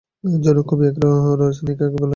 জনৈক কবি এক রজকিনীকে ভালবাসিতেন।